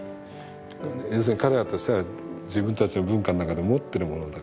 要するに彼らとしては自分たちの文化の中で持ってるものだからね。